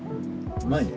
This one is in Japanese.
うまいね。